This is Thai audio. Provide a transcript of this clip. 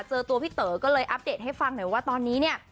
เจอตัวพี่เต๋อก็เลยอัปเดตให้ฟังหน่อยว่าตอนนี้เนี่ย